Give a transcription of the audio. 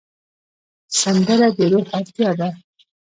سندره د روح اړتیا ده